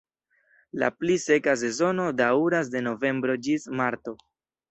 La pli seka sezono daŭras de novembro ĝis marto.